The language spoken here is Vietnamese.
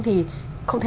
thì không thấy